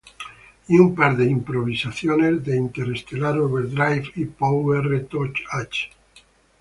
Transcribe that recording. Y un par de improvisaciones en Interstellar Overdrive y Pow R. Toc H..